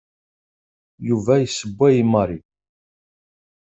Yuba yessewway i Mary.